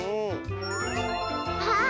あっ。